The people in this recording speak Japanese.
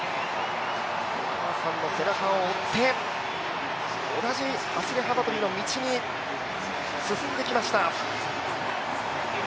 お母さんの背中を追って、同じ走幅跳の道に進んできました。